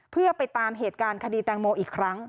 เพื่อไปตามเหตุการณ์คดีแตงโมอีกครั้ง